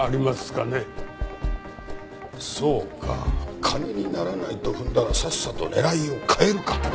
そうか金にならないと踏んだらさっさと狙いを変えるか。